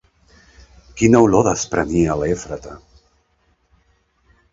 Quina olor desprenia l'Efrata?